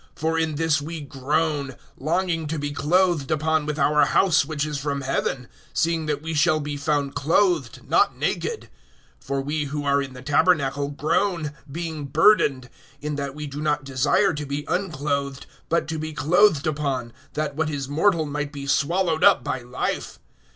(2)For in this we groan, longing to be clothed upon with our house which is from heaven; (3)seeing that we shall be found clothed, not naked[5:3]. (4)For we who are in the tabernacle groan, being burdened; in that we do not desire to be unclothed, but to be clothed upon, that what is mortal might be swallowed up by life.